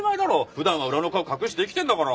普段は裏の顔隠して生きてんだから。